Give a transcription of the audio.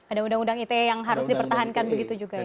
ada undang undang ite yang harus dipertahankan begitu juga ya